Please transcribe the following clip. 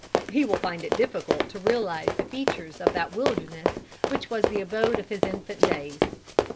He will find it difficult to realise the features of that wilderness which was the abode of his infant days.